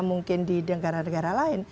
mungkin di negara negara lain